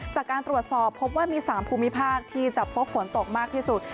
จากการตรวจสอบพบว่ามี๓ภูมิภาคที่จะพบฝนตกมากที่สุด